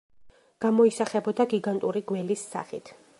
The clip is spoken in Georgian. გამოისახებოდა გიგანტური გველის სახით.